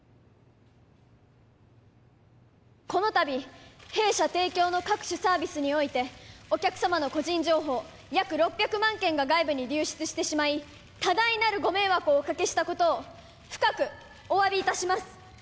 この度弊社提供の各種サービスにおいてお客様の個人情報約６００万件が外部に流出してしまい多大なるご迷惑をおかけしたことを深くお詫びいたします